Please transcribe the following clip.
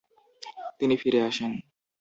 তিনি ফিরে আসেন।